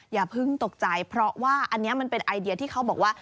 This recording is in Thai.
อย่าเพิ่งตกใจเพราะว่าอันนี้มันเป็นไอเดียที่เขาบอกว่า